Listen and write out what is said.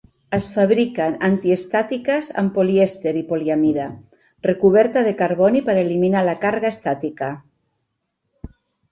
Es fabriquen antiestàtiques amb polièster i poliamida, recoberta de carboni per eliminar la càrrega estàtica.